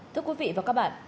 thưa quý vị và các bạn